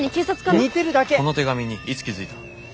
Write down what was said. この手紙にいつ気付いた？